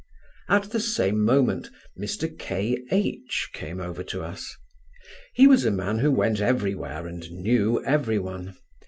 At the same moment Mr. K. H came over to us. He was a man who went everywhere and knew everyone.